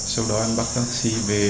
sau đó em bắt tắt tắt tắt tắt